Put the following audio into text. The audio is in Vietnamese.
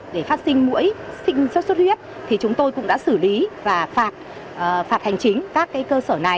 để phát sinh mũi sinh sốt xuất huyết thì chúng tôi cũng đã xử lý và phạt hành chính các cơ sở này